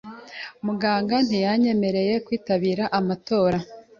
Muganga ntiyanyemereye kwitabira marato.